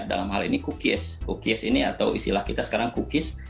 dalam hal ini kukies kukies ini atau istilah kita sekarang kukies